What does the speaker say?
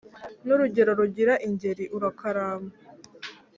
N'urugero rugira ingeri urakaramba